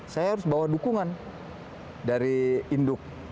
saya harus bawa dukungan dari induk